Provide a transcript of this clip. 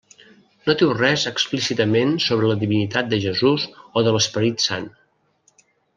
No diu res explícitament sobre la divinitat de Jesús o de l'Esperit Sant.